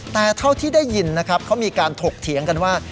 แต่เท่าที่ได้ยินนะครับเขามีการถกเถียงกันว่า